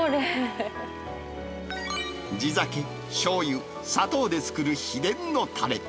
地酒、しょうゆ、砂糖で作る秘伝のたれ。